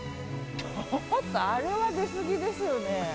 あれは出すぎですよね。